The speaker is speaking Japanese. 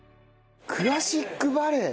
クラシックバレエ？